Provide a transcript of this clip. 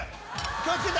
気を付けて！